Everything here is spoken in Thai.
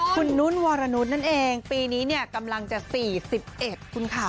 คุณนุ่นวรนุษย์นั่นเองปีนี้เนี่ยกำลังจะ๔๑คุณค่ะ